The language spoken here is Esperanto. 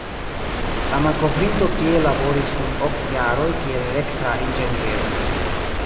La malkovrinto tie laboris dum ok jaroj kiel elektra inĝeniero.